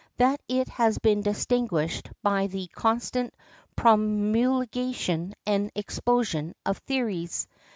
That it has been distinguished by the constant promulgation and explosion of theories.